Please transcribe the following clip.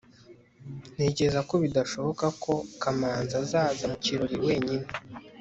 ntekereza ko bidashoboka ko kamanzi azaza mu kirori wenyine